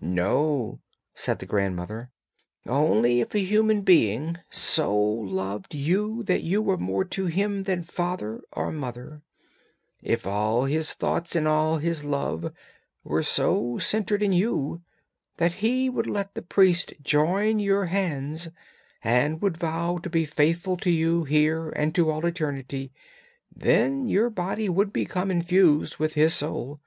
'No,' said the grandmother; 'only if a human being so loved you that you were more to him than father or mother, if all his thoughts and all his love were so centred in you that he would let the priest join your hands and would vow to be faithful to you here, and to all eternity; then your body would become infused with his soul.